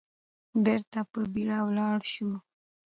بېرته په بيړه ولاړ شو.